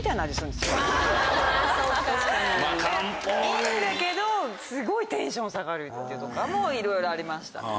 いいんだけどすごいテンション下がるとかいろいろありましたね。